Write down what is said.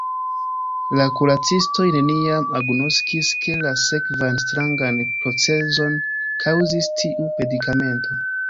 La kuracistoj neniam agnoskis, ke la sekvan strangan procezon kaŭzis tiu medikamento.